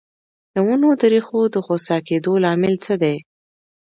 د ونو د ریښو د خوسا کیدو لامل څه دی؟